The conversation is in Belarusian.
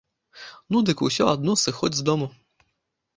Ну, дык усё адно сыходзь з дому.